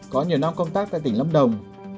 có nhiều năm công tác tại tỉnh lâm đồng